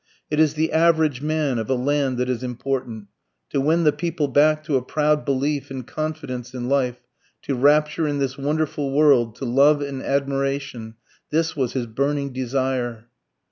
It is the average man of a land that is important. To win the people back to a proud belief and confidence in life, to rapture in this wonderful world, to love and admiration this was his burning desire.